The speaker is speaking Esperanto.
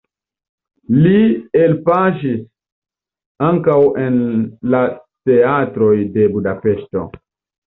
Li elpaŝis ankaŭ en la teatroj de Budapeŝto.